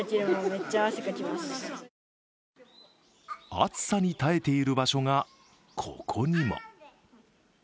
暑さに耐えている場所がここにも。